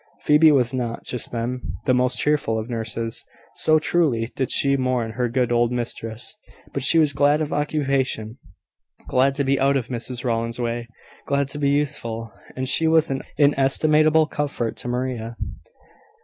Phoebe was not, just then, the most cheerful of nurses, so truly did she mourn her good old mistress; but she was glad of occupation, glad to be out of Mrs Rowland's way, glad to be useful: and she was an inestimable comfort to Maria.